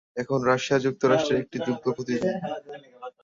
এখন রাশিয়া যুক্তরাষ্ট্রের একটি যোগ্য প্রতিদ্বন্দ্বী।